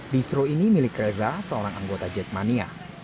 distro ini milik reza seorang anggota jackmania